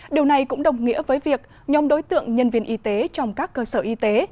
điều này cũng đồng nghĩa với việc nhóm đối tượng nhân viên y tế trong các cơ sở y tế